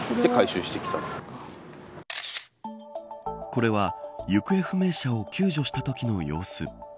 これは、行方不明者を救助したときの様子。